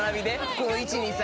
この１２３で？